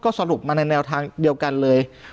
สรุปมาในแนวทางเดียวกันเลย